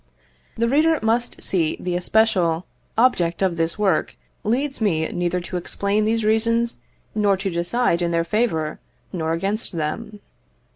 The reader must see that the especial, object of this work leads me neither to explain these reasons, nor to decide in their favour, nor against them.